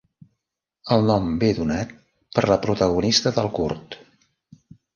El nom bé donat per la protagonista del curt.